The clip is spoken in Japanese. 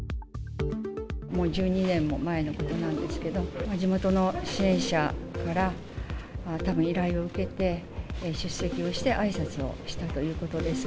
もう１２年も前のことなんですけど、地元の支援者から、たぶん依頼を受けて、出席をしてあいさつをしたということです。